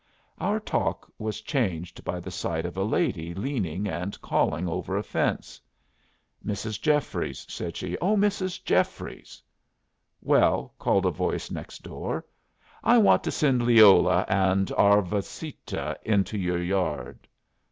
Our talk was changed by the sight of a lady leaning and calling over a fence. "Mrs. Jeffries," said she. "Oh, Mrs. Jeffries!" "Well?" called a voice next door. "I want to send Leola and Arvasita into your yard."